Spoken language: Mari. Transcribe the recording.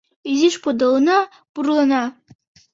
Изиш подылына, пурлына...